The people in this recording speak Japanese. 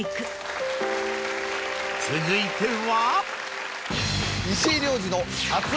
続いては。